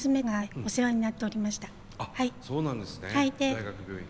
大学病院。